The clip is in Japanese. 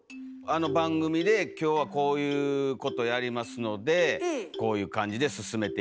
番組で今日はこういうことやりますのでこういう感じで進めていきます。